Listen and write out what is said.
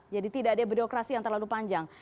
jadi tidak ada bedokrasi yang terlalu panjang